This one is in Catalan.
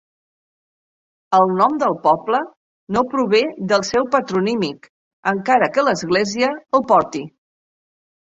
El nom del poble no prové del seu patronímic, encara que l'església el porti.